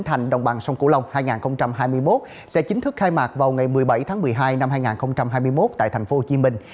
thành đồng bằng sông cửu long hai nghìn hai mươi một sẽ chính thức khai mạc vào ngày một mươi bảy tháng một mươi hai năm hai nghìn hai mươi một tại thành phố hồ chí minh